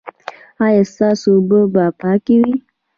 ایا ستاسو اوبه به پاکې وي؟